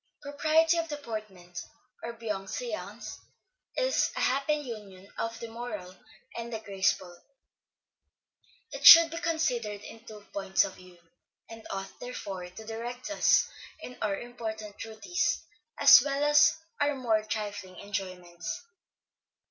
_ Propriety of deportment, or bienséance, is a happy union of the moral and the graceful; it should be considered in two points of view, and ought therefore to direct us in our important duties, as well as our more trifling enjoyments.